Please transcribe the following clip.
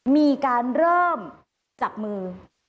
มีการเริ่มจับมือ